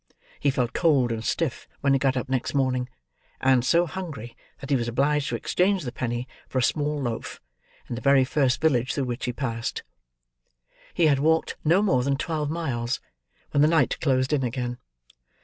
He felt cold and stiff, when he got up next morning, and so hungry that he was obliged to exchange the penny for a small loaf, in the very first village through which he passed. He had walked no more than twelve miles, when night closed in again.